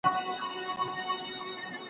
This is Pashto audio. يو يې خوب يو يې خوراك يو يې آرام وو